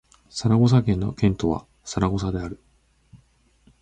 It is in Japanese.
サラゴサ県の県都はサラゴサである